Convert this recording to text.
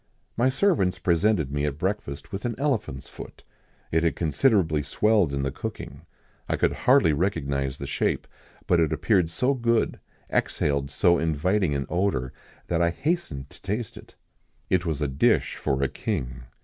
My servants presented me at breakfast with an elephant's foot. It had considerably swelled in the cooking; I could hardly recognise the shape, but it appeared so good, exhaled so inviting an odour, that I hastened to taste it. It was a dish for a king.